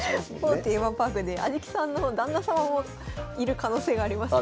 某テーマパークで安食さんの旦那様もいる可能性がありますよね。